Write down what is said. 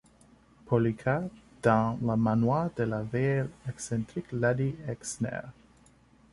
Polycarp, dans le manoir de la vieille excentrique lady Exner.